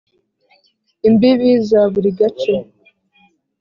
imbibi za buri gace